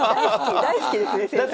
大好きですね先生。